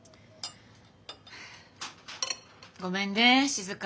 ごめんね静。